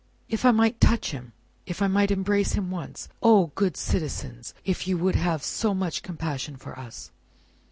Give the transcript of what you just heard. "If I might touch him! If I might embrace him once! O, good citizens, if you would have so much compassion for us!"